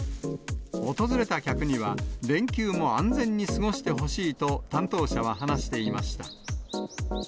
訪れた客には、連休も安全に過ごしてほしいと、担当者は話していました。